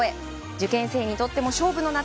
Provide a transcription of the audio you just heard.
受験生にとっても勝負の夏。